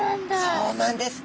そうなんです。